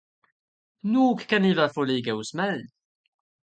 Nog kan ni väl få ligga hos mig.